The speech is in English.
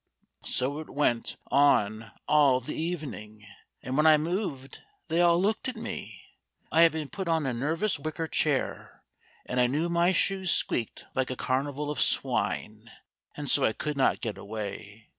So it went on all the evening, and when I moved they all looked at me; I had been put on a nervous wicker chair, and I knew my shoes squeaked like a carnival of swine, and so I could not get away.